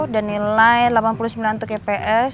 dan nilai delapan puluh sembilan untuk eps